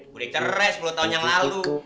mulai cerai sepuluh tahun yang lalu